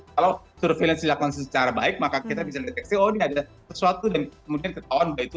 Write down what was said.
kalau surveillance dilakukan secara baik maka kita bisa deteksi oh ini ada sesuatu